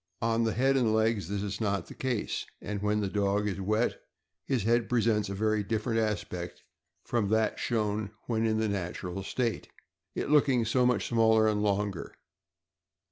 On the head and legs, this is not the case; and when the dog is wet, his head presents a very different aspect from that 486 THE AMERICAN BOOK OF THE DOG. shown when in the natural state— it looking so much smaller and longer.